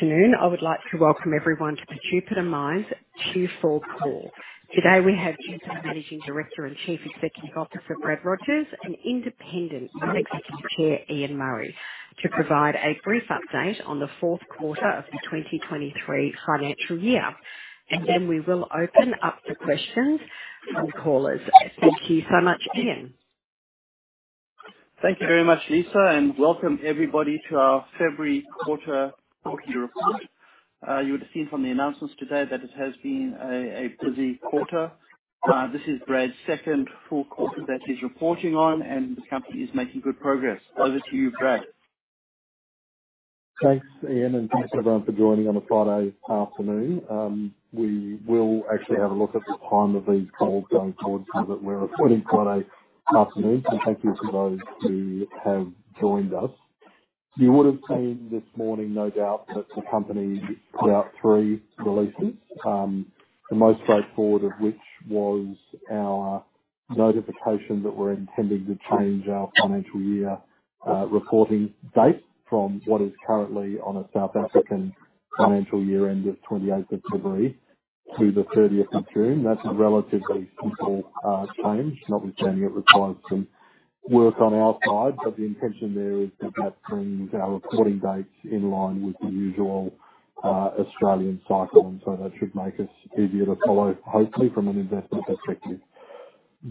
Good afternoon. I would like to welcome everyone to the Jupiter Mines Q4 call. Today, we have Jupiter Managing Director and Chief Executive Officer, Brad Rogers, and Independent Non-Executive Chair, Ian Murray, to provide a brief update on the fourth quarter of the 2023 financial year. We will open up for questions from callers. Thank you so much, Ian. Thank you very much, Lisa. Welcome everybody to our February quarter quarterly report. You would have seen from the announcements today that it has been a busy quarter. This is Brad's second full quarter that he's reporting on. The company is making good progress. Over to you, Brad. Thanks, Ian, thanks everyone for joining on a Friday afternoon. We will actually have a look at the time of these calls going forward so that we're recording Friday afternoons. Thank you to those who have joined us. You would have seen this morning, no doubt, that the company put out three releases. The most straightforward of which was our notification that we're intending to change our financial year reporting date from what is currently on a South African financial year end of 28th February to the 30th of June. That's a relatively simple change, notwithstanding it requires some work on our side, but the intention there is that that brings our reporting dates in line with the usual Australian cycle, that should make us easier to follow, hopefully, from an investment perspective.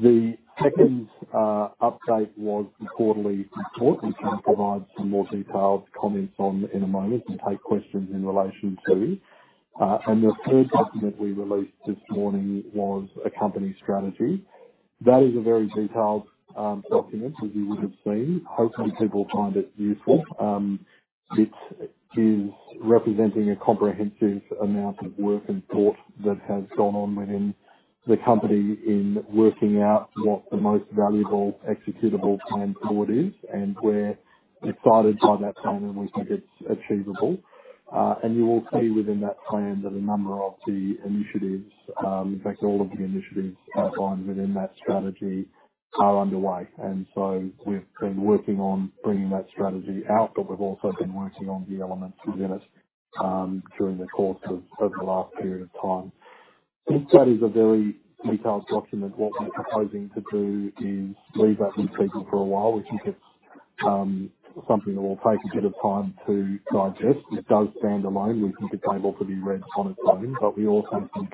The second update was the quarterly report, which I'll provide some more detailed comments on in a moment and take questions in relation to. The third document we released this morning was a company strategy. That is a very detailed document, as you would have seen. Hopefully, people find it useful. It is representing a comprehensive amount of work and thought that has gone on within the company in working out what the most valuable executable plan forward is, and we're excited by that plan, and we think it's achievable. You will see within that plan that a number of the initiatives, in fact, all of the initiatives outlined within that strategy are underway. We've been working on bringing that strategy out, but we've also been working on the elements within it, during the course of, over the last period of time. I think that is a very detailed document. What we're proposing to do is leave that with people for a while. We think it's something that will take a bit of time to digest. It does stand alone. We think it's able to be read on its own, but we also think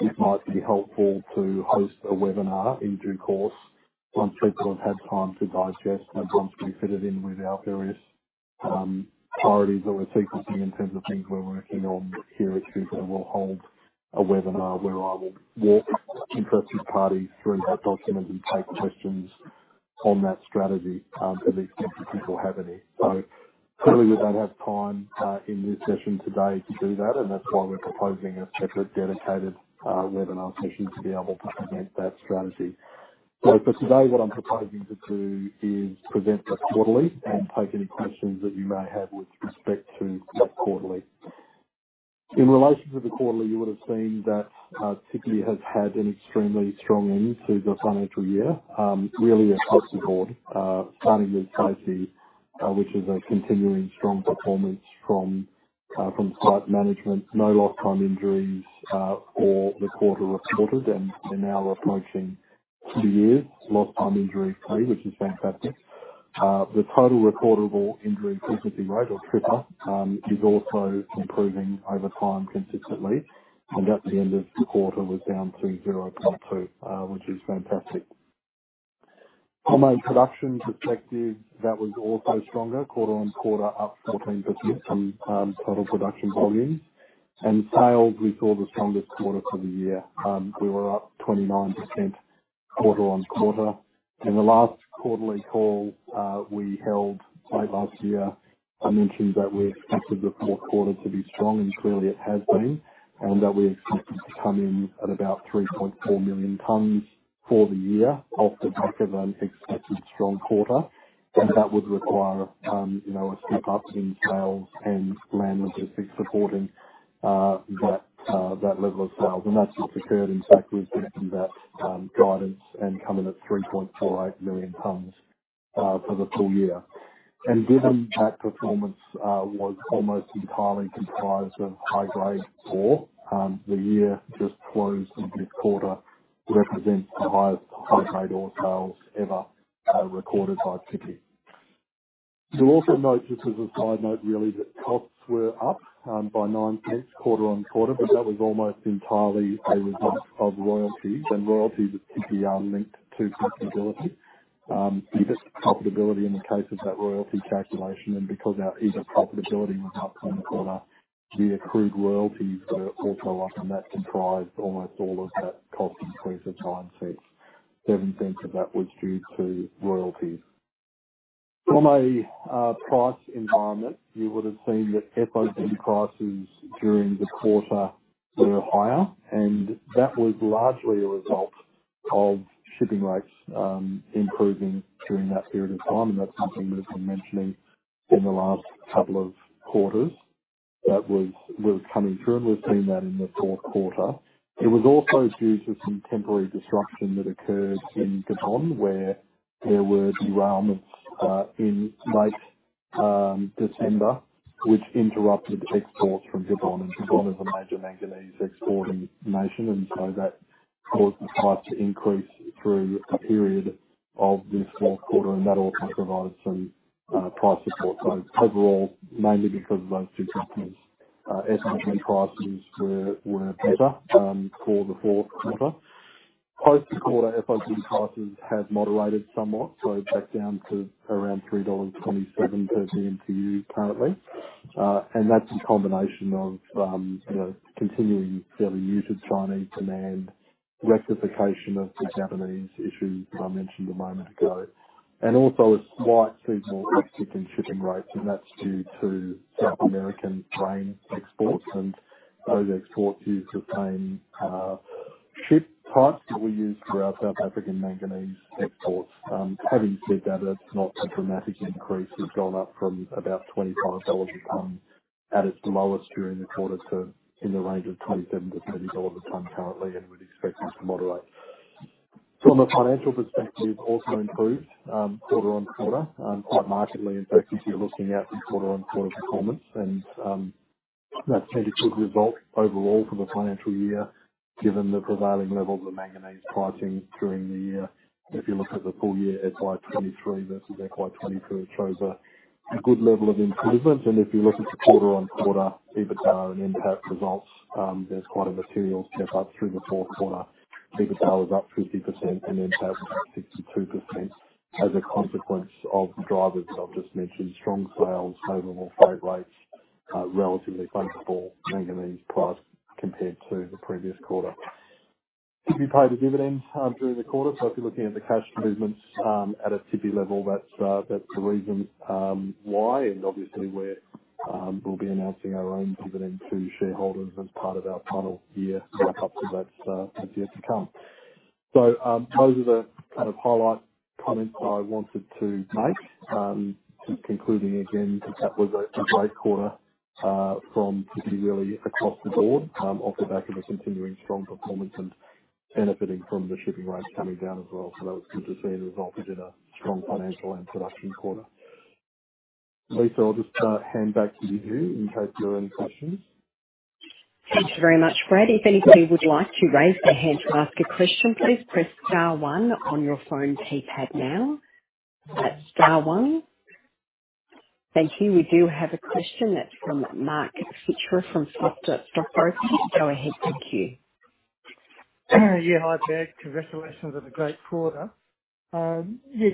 it might be helpful to host a webinar in due course once people have had time to digest and once we fit it in with our various, priorities or sequencing in terms of things we're working on here at Jupiter. We'll hold a webinar where I will walk interested parties through that document and take questions on that strategy, at least if people have any. Clearly, we don't have time in this session today to do that, and that's why we're proposing a separate, dedicated webinar session to be able to present that strategy. For today, what I'm proposing to do is present the quarterly and take any questions that you may have with respect to that quarterly. In relation to the quarterly, you would have seen that Tshipi has had an extremely strong end to the financial year, really across the board. Starting with safety, which is a continuing strong performance from site management. No lost time injuries for the quarter reported, and we're now approaching two years lost time injuries free, which is fantastic. The Total Recordable Injury Frequency Rate, or TRIFR, is also improving over time consistently, and at the end of the quarter was down to 0.2, which is fantastic. From a production perspective, that was also stronger. Quarter-on-quarter, up 14% on total production volume. Sales, we saw the strongest quarter for the year. We were up 29% quarter-on-quarter. In the last quarterly call, we held late last year, I mentioned that we expected the fourth quarter to be strong, and clearly it has been, and that we expected to come in at about 3.4 million tons for the year off the back of an expected strong quarter. That would require, you know, a step up in sales and land logistics supporting that level of sales. That's what's occurred. In fact, we've beaten that guidance and come in at 3.48 million tons for the full year. Given that performance was almost entirely comprised of high-grade ore, the year just closed in this quarter represents the highest high-grade ore sales ever recorded by Tshipi. You'll also note, just as a side note really, that costs were up by 0.09 quarter-on-quarter, that was almost entirely a result of royalties and royalties particularly are linked to profitability. EBITDA profitability in the case of that royalty calculation because our EBITDA profitability was up on the quarter, the accrued royalties were also up and that comprised almost all of that cost increase of AUD 0.09. 0.07 of that was due to royalties. From a price environment, you would have seen that FOB prices during the quarter were higher, and that was largely a result of shipping rates improving during that period of time, and that's something we've been mentioning in the last couple of quarters. That was coming through, and we've seen that in the fourth quarter. It was also due to some temporary disruption that occurred in Gabon where there were droughts in late December which interrupted exports from Gabon, and Gabon is a major manganese exporting nation. That caused the price to increase through a period of this fourth quarter, and that all kind of provided some price support. Overall, mainly because of those two things, S&P prices were better for the fourth quarter. Post-quarter FOB prices have moderated somewhat, back down to around $3.27 per dmtu currently. That's a combination of, you know, continuing fairly muted Chinese demand, rectification of the Japanese issue I mentioned a moment ago. Also a slight seasonal uptick in shipping rates, and that's due to South American grain exports. Those exports use the same ship types that we use for our South African manganese exports. Having said that, it's not a dramatic increase. We've gone up from about $25 a ton at its lowest during the quarter to in the range of $27-$30 a ton currently, and we'd expect this to moderate. From a financial perspective, also improved, quarter-on-quarter, quite markedly in fact, if you're looking at the quarter-on-quarter performance. That's been a good result overall for the financial year, given the prevailing level of the manganese pricing during the year. If you look at the full year, FY 2023 versus FY 2022, it shows a good level of improvement. If you look at the quarter-on-quarter EBITDA and NPAT results, there's quite a material step up through the fourth quarter. EBITDA was up 50% and NPAT was up 62% as a consequence of the drivers I've just mentioned. Strong sales, favorable freight rates, relatively favorable manganese price compared to the previous quarter. Tshipi paid a dividend during the quarter, so if you're looking at the cash movements at a Tshipi level, that's the reason why, and obviously we're, we'll be announcing our own dividend to shareholders as part of our final year lead up to that's yet to come. Those are the kind of highlight comments I wanted to make. Just concluding again that that was a great quarter from Tshipi really across the board, off the back of a continuing strong performance and benefiting from the shipping rates coming down as well. That was good to see the result of in a strong financial and production quarter. Lisa, I'll just hand back to you in case there are any questions. Thank you very much, Brad. If anybody would like to raise their hand to ask a question, please press star one on your phone keypad now. That's star one. Thank you. We do have a question. It's from Mark Fichera from Foster Stockbroking. Go ahead. Thank you. Yeah, hi, Brad. Congratulations on a great quarter. Yeah,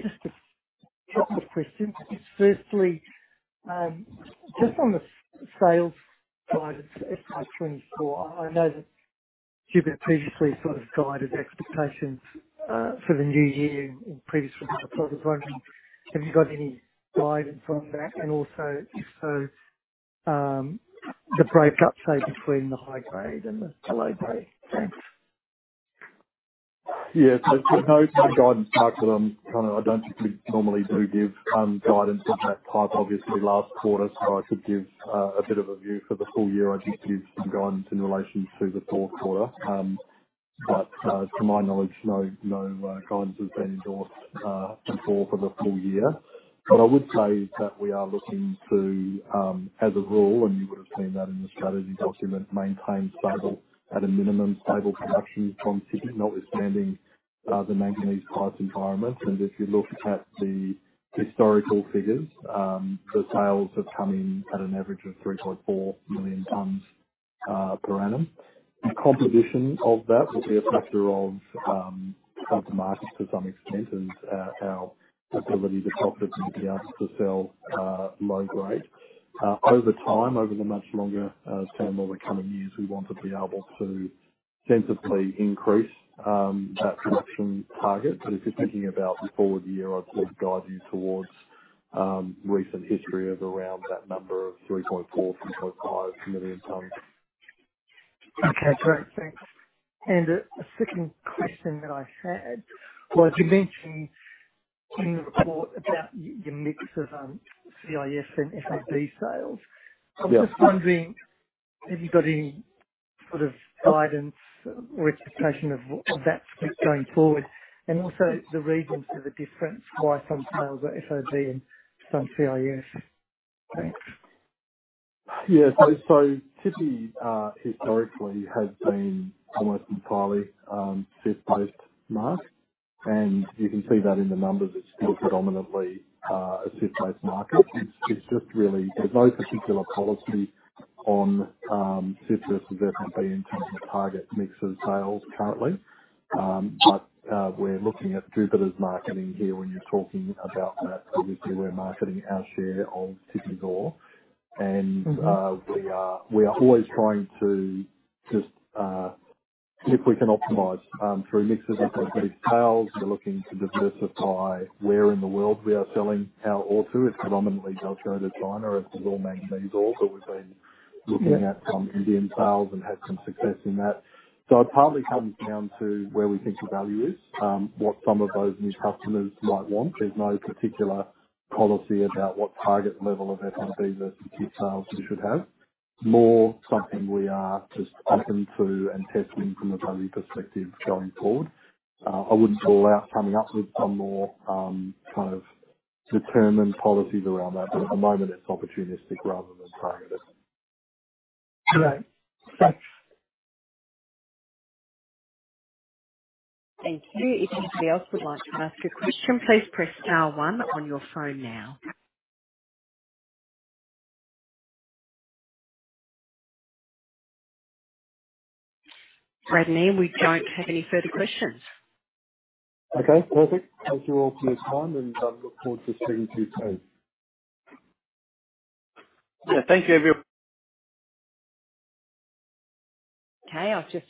just a couple of questions. Firstly, just on the sales side of FY 2024, I know that Jupiter previously sort of guided expectations, for the new year in previous reports. I was wondering, have you got any guidance on that? Also if so, the breakup, say, between the high-grade and the low-grade? Thanks. No, no guidance, Mark. Look, I'm kind of... I don't think we normally do give guidance of that type. Obviously last quarter, I could give a bit of a view for the full year. I'd just give some guidance in relation to the fourth quarter. To my knowledge, no guidance has been endorsed to floor for the full year. What I would say is that we are looking to, as a rule, you would've seen that in the strategy document, maintain stable, at a minimum, stable production from Tshipi, notwithstanding the manganese price environment. If you look at the historical figures, the sales have come in at an average of 3.4 million tons per annum. The composition of that will be a factor of counter markets to some extent and our ability to profitably be able to sell low-grade. Over time, over the much longer term over coming years, we want to be able to sensibly increase that production target. If you're thinking about the forward year, I'd sort of guide you towards recent history of around that number of 3.4 million-3.5 million tons. Okay, great. Thanks. A second question that I had was, you mentioned in your report about your mix of CIF and FOB sales. Yeah. I'm just wondering, have you got any sort of guidance or expectation of that split going forward? Also the reasons for the difference, why some sales are FOB and some CIF? Thanks. Yeah. Tshipi, historically has been almost entirely, CIF-based market, and you can see that in the numbers. It's still predominantly, a CIF-based market. It's just really, there's no particular policy on CIF versus FOB in terms of target mix of sales currently. We're looking at Jupiter's marketing here when you're talking about that. Obviously we're marketing our share of Tshipi ore. We are always trying to just see if we can optimize through mixes of FOB sales. We're looking to diversify where in the world we are selling our ore to. It's predominantly sold to China as raw manganese ore, but we've been looking at some Indian sales and had some success in that. It partly comes down to where we think the value is, what some of those new customers might want. There's no particular policy about what target level of FOB versus CIF sales we should have. More something we are just open to and testing from a value perspective going forward. I wouldn't rule out coming up with some more, kind of determined policies around that, but at the moment it's opportunistic rather than targeted. Great. Thanks. Thank you. If anybody else would like to ask a question, please press star one on your phone now. Brad, we don't have any further questions. Okay, perfect. Thank you all for your time, and look forward to speaking to you soon. Yeah. Thank you, every— Okay. I'll just—